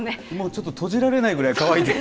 ちょっと閉じられないぐらい乾いて。